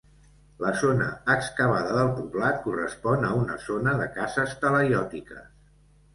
La zona excavada del poblat correspon a una zona de cases talaiòtiques.